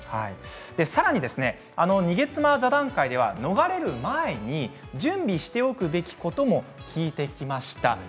さらに逃げ妻座談会では逃れる前に準備しておくべきことも聞いてみました。